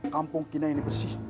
kampung kina ini bersih